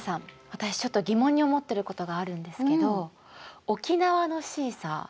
私ちょっと疑問に思ってることがあるんですけど沖縄のシーサー